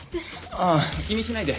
ああ気にしないで。